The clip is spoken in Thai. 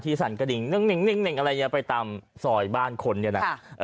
ที่สั่นกระดิ่งไปตามสอยบ้านคนเนี่ยนะ